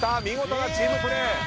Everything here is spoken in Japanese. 見事なチームプレー。